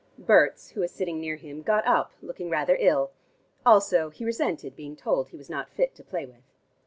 Berts, who was sitting near him, got up, looking rather ill. Also he resented being told he was not fit to play with.